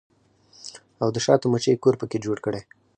او د شاتو مچۍ کور پکښې جوړ کړي